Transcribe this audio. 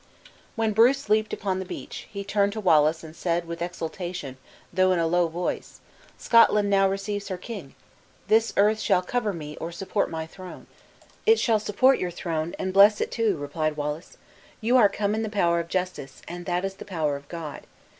When Bruce leaped upon the beach, he turned to Wallace and said with exultation, though in a low voice, "Scotland now receives her king! This earth shall cover me, or support my throne!" "It shall support your throne, and bless it too," replied Wallace; "you are come in the power of justice, and that is the power of God.